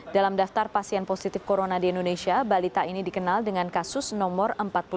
dalam daftar pasien positif corona di indonesia balita ini dikenal dengan kasus nomor empat puluh lima